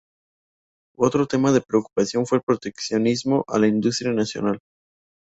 Otro tema de preocupación fue el proteccionismo a la industria nacional.